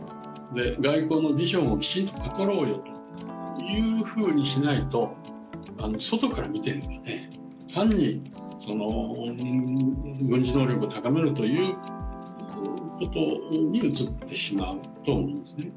外交のビジョンをきちんとはかろうよということにしなければ、外から見てもね、単に軍事能力を高めるということに映ってしまうと思いますね。